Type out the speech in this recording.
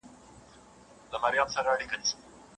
دا « صرف میر» دي لېوني کړي